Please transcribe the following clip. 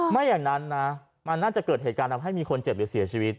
ไม่อย่างนั้นนะมันน่าจะเกิดเหตุการณ์ทำให้มีคนเจ็บหรือเสียชีวิต